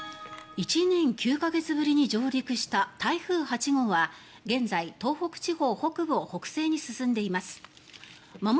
１年９か月ぶりに上陸した台風８号は現在、東北地方北部を北西に進んでいます。